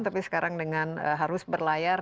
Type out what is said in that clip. tapi sekarang dengan harus berlayar